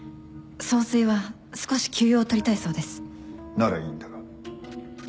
ならいいんだが。